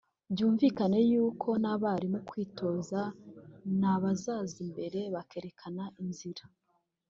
byumvikane y’uko n’abarimo kwitoza ni abazaza imbere berekana inzira